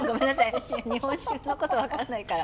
私日本酒のこと分かんないから。